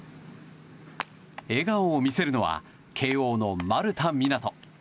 笑顔を見せるのは慶応の丸田湊斗。